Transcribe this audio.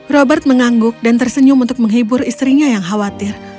robert mengangguk dan tersenyum untuk menghibur istrinya yang khawatir